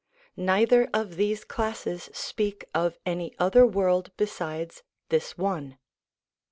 Neither of these classes speak of any other world besides this one.